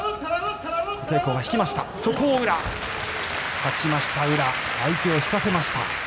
勝ちました宇良相手を引かせました。